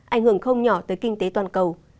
ảnh hưởng không nhỏ tới kinh tế toàn cầu